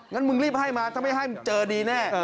งั้นมึงรีบให้มาถ้าไม่ให้มึงเจอดีแน่